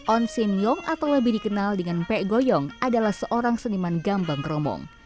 on sin yong atau lebih dikenal dengan mpek goyong adalah seorang seniman gambang kromong